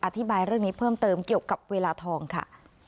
อธิบายเรื่องนี้เพิ่มเติมเกี่ยวกับเวลาทองค่ะ